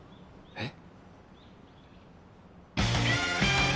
えっ？